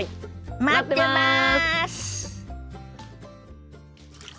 待ってます！